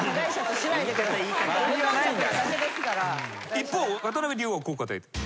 一方渡辺竜王はこう答えてる。